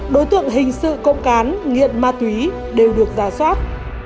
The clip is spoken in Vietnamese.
đối tượng hình sự cộng cán nghiện ma túy đều được giả soát